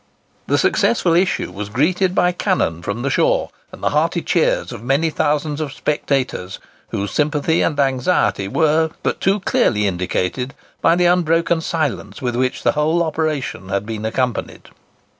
The successful issue was greeted by cannon from the shore and the hearty cheers of many thousands of spectators, whose sympathy and anxiety were but too clearly indicated by the unbroken silence with which the whole operation had been accompanied."